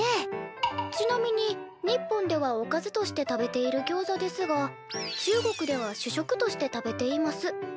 「ちなみに日本ではおかずとして食べているギョウザですが中国では主食として食べています。